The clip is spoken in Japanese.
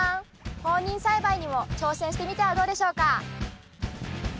放任栽培にも挑戦してみてはどうでしょうか。